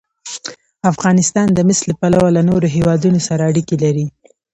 افغانستان د مس له پلوه له نورو هېوادونو سره اړیکې لري.